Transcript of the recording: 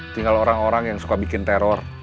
tinggal orang orang yang suka bikin teror